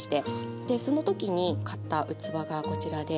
でその時に買った器がこちらで。